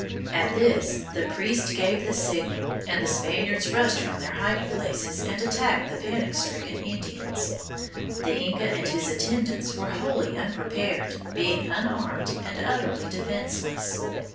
At this the priest gave the signal, and the Spaniards rushed from their hiding places and attacked the panic stricken Indians. The Inca and his attendants were wholly unprepared, being unarmed and utterly defenseless.